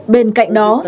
bên cạnh đó